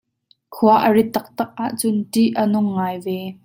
Khua a rit taktak ahcun ṭih a nung ngai ve.